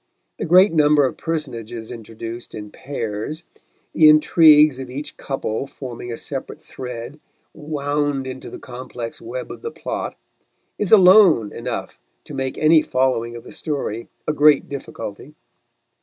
The great number of personages introduced in pairs, the intrigues of each couple forming a separate thread wound into the complex web of the plot, is alone enough to make any following of the story a great difficulty.